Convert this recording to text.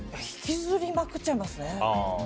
引きずりまくっちゃいますね。